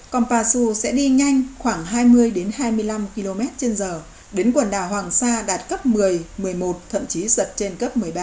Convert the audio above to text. con parsu sẽ đi nhanh khoảng hai mươi hai mươi năm km trên giờ đến quần đảo hoàng sa đạt cấp một mươi một mươi một thậm chí giật trên cấp một mươi ba